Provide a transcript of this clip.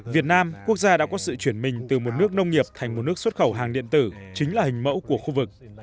việt nam quốc gia đã có sự chuyển mình từ một nước nông nghiệp thành một nước xuất khẩu hàng điện tử chính là hình mẫu của khu vực